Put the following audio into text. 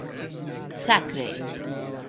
Sakre!